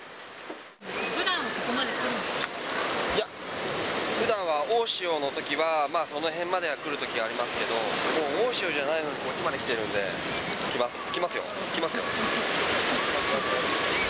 ふだん、ここまで来るんですいや、ふだんは大潮のときは、まあその辺までは来ることありますけど、大潮じゃないのに、ここまで来てるので、来ます、来ますよ。